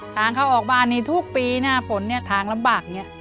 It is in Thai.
ทางเข้าออกบ้านนี้ทุกปีหน้าฝนเนี่ยทางลำบากเนี่ย